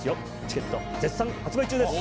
チケット絶賛発売中です